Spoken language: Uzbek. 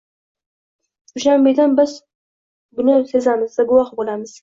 Dushanbedan biz buni sezamiz va guvohi bo'lamiz